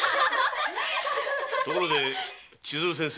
ところで千鶴先生は？